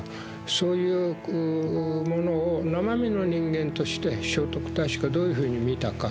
そういうものを生身の人間として聖徳太子がどういうふうに見たか。